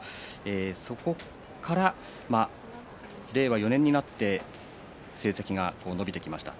そこから令和４年になって成績が伸びてきました。